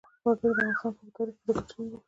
وګړي د افغانستان په اوږده تاریخ کې ذکر شوی دی.